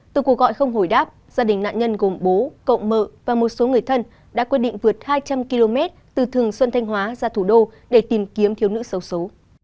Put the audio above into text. từ cuộc gọi không hồi đáp gia đình nạn nhân gồm bố cộng mự và một số người thân đã quyết định vượt hai trăm linh km từ thường xuân thanh hóa ra thủ đô để tìm kiếm thiếu nữ xấu xố